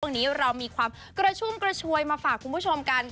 วันนี้เรามีความกระชุ่มกระชวยมาฝากคุณผู้ชมกัน